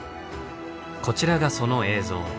こちらがその映像。